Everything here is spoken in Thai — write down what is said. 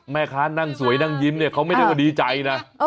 แม่ค้านั่งสวยนั่งยิ้มเนี่ยเขาไม่ได้ว่าดีใจนะ